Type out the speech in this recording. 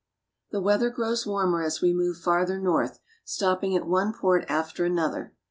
The weather grows warmer as we move farther north, stopping at one port after another.